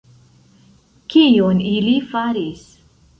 Kion ili faris?